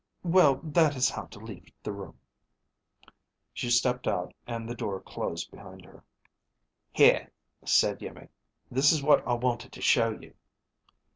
"Well, that is how to leave the room." She stepped out, and the door closed behind her. "Here," said Iimmi, "this is what I wanted to show you."